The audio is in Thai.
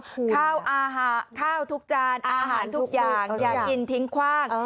ข้าวทุกจานอาหารทุกอย่างอย่ากินทิ้งคว้าง